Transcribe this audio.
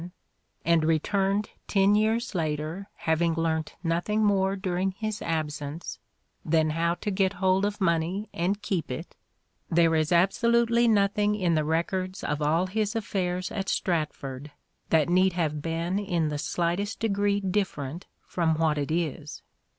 in 1587 and returned ten years later having learnt nothing more during his absence than how to get hold of money and keep it, there is absolutely nothing in the records of all his affairs at Stratford that need have been in the slightest degree different from what it is.